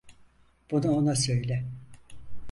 Bunu ona söyle.